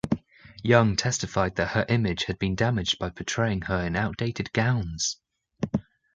Young testified that her image had been damaged by portraying her in outdated gowns.